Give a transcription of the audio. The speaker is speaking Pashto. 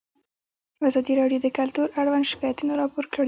ازادي راډیو د کلتور اړوند شکایتونه راپور کړي.